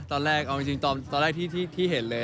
ตอนแรกเอาจริงตอนแรกที่เห็นเลย